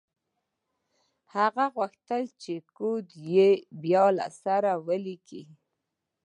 هغه غوښتل چې کوډ یې بیا له سره ولیکي